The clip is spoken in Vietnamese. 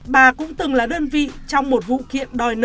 bà cũng từng là đơn vị trong một vụ kiện đòi nợ